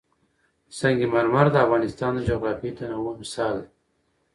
سنگ مرمر د افغانستان د جغرافیوي تنوع مثال دی.